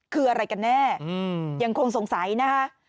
คืออะไรกันแน่ยังคงสงสัยนะคะ